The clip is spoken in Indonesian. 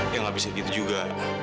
ya nggak bisa gitu juga